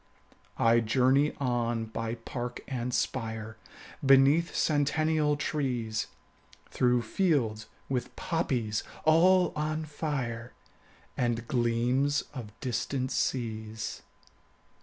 20 I journey on by park and spire, Beneath centennial trees, Through fields with poppies all on fire, And gleams of distant seas.